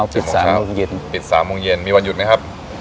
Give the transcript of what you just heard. ปิด๓โมงเย็นมีวันหยุดไหมครับ